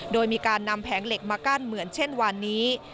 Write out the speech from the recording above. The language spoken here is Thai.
โดยมีการนำแผงเหล็กมากั้นเหมือนเช่นวันนี้